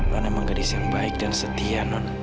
non emang gadis yang baik dan setia non